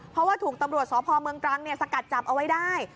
เพราะว่าถูกตำรวจสพเมืองตรังสกัดจับเอาไว้ได้